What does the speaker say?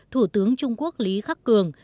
thủ tướng trung quốc lý khắc cường